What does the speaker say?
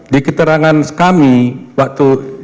di keterangan kami waktu